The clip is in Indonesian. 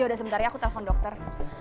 yaudah sebentar ya aku telepon dokter